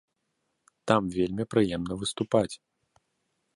Там вельмі прыемна выступаць.